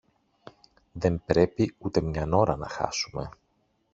Δεν πρέπει ούτε μιαν ώρα να χάσουμε